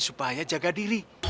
supaya jaga diri